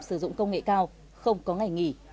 sử dụng công nghệ cao không có ngày nghỉ